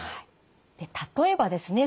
例えばですね